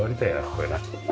これな。